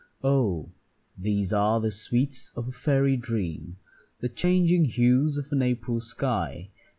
Oh! these are the sweets of a fairy dream, The changing hues of an April sky.